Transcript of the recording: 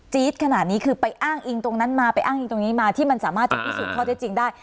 ขนาดนี้คือไปอ้างอิงตรงนั้นมาไปอ้างอิงตรงนี้มาที่มันสามารถจะพิสูจน์ข้อเท็จจริงได้